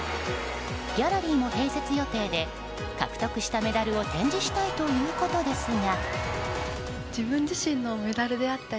ギャラリーも併設予定で獲得したメダルを展示したいということですが。